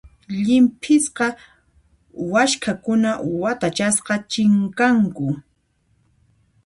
Llimp'isqa waskhakuna watachasqa chinkanku.